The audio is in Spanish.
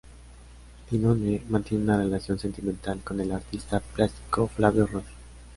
Didone mantiene una relación sentimental con el artista plástico Flavio Rossi.